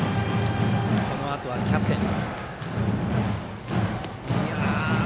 このあとはキャプテン。